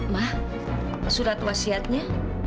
ma surat wasiatnya